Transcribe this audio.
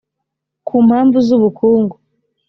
ku mpamvu z ubukungu